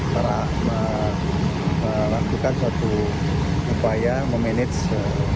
telah melakukan suatu upaya memanage